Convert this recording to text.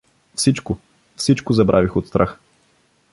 Всичко, всичко забравих от страх.